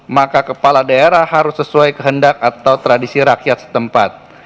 maka kepala daerah harus sesuai kehendak atau tradisi rakyat setempat